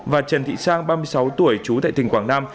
và trần thị sang ba mươi sáu tuổi trú tại tỉnh quảng nam